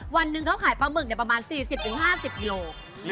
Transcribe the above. วันหนึ่งเขาขายปลาหมึกประมาณ๔๐๕๐กิโล